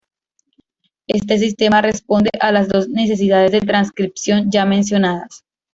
Este sistema responde a las dos necesidades de transcripción ya mencionadas.